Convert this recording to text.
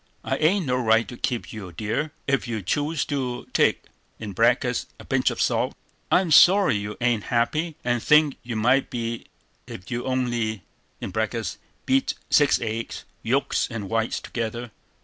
] "I ain't no right to keep you, dear, ef you choose to take (a pinch of salt). I'm sorry you ain't happy, and think you might be ef you'd only (beat six eggs, yolks and whites together).